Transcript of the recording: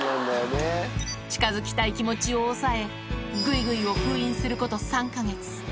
近づきたい気持ちを抑え、ぐいぐいを封印すること３か月。